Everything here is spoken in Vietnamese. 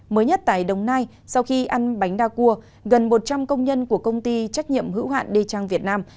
mới nhất tại đồng nai sau khi ăn bánh đa cua gần một trăm linh công nhân của công ty trách nhiệm hữu hạn đê trang việt nam